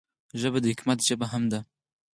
ژبه د حکمت ژبه هم ده